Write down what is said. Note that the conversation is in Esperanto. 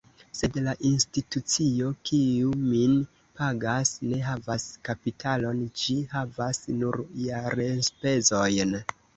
Sed la institucio, kiu min pagas, ne havas kapitalon; ĝi havas nur jarenspezojn.